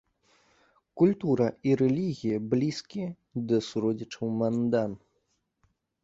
Культура і рэлігія блізкія да суродзічаў-мандан.